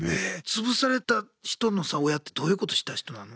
つぶされた人のさ親ってどういうことした人なの？